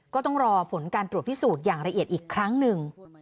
ก็ต้องรอผลการตรวจพิสูจน์อย่างละเอียดอีกครั้งหนึ่ง